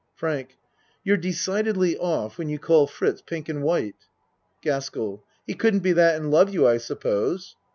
FRANK You're decidedly off when you call Fritz pink and white. GASKELL He couldn't be that and love you, I suppose